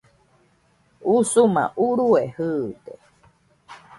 Usuma urue jɨɨde